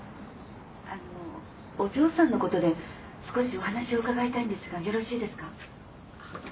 あのお嬢さんのことで少しお話を伺いたいんですがよろしいですか？